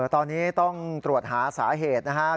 ตอนนี้ต้องตรวจหาสาเหตุนะครับ